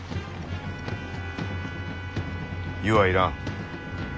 湯は要らん。